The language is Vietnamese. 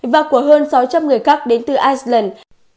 và của hơn sáu trăm linh người khác đến từ iceland